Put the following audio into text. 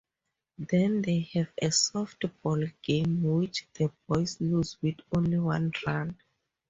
Then they have a softball game, which the boys lose with only one run.